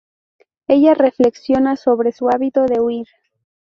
Ella reflexiona sobre su hábito de huir.